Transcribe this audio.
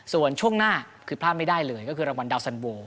ส่วนช่วงหน้าคือพลาดไม่ได้เลยก็คือรางวัลดาวสันโว